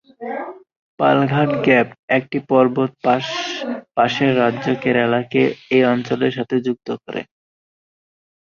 Palghat gap, একটি পর্বত pass পাশের রাজ্য কেরালা কে এই অঞ্চলের সাথে সংযুক্ত করে।